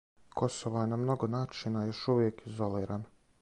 Косово је на много начина још увијек изолирано.